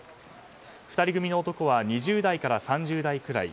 ２人組の男は２０代から３０代くらい。